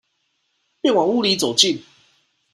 便往屋裡走進